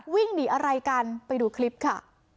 วิ่งหนีอะไรกันไปดูคลิปค่ะ